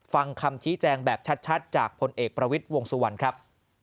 ฟังคำชี้แจงแบบชัดจากผลเอกประวิทย์วงสุวรรณครับ